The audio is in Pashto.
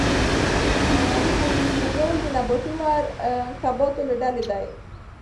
پولیفینول د نباتي مرکباتو له ډلې دي.